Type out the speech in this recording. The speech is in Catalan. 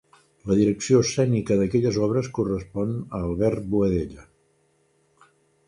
La direcció escènica d'aquelles obres correspon a Albert Boadella.